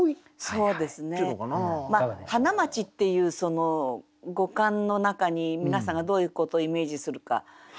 そうですね「花街」っていうその語感の中に皆さんがどういうことをイメージするか。